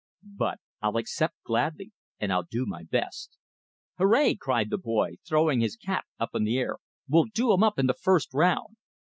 But I'll accept, gladly. And I'll do my best!" "Hooray!" cried the boy, throwing his cap up in the air. "We'll do 'em up in the first round!"